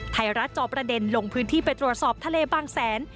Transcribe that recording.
ไทยรัฐจอประเด็นลงพื้นที่ไปตรวจสอบทะเลบางแสน